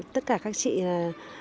tất cả các chị là